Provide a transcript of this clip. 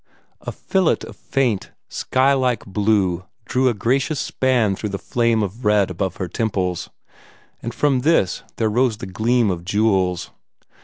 A fillet of faint, sky like blue drew a gracious span through the flame of red above her temples, and from this there rose the gleam of jewels.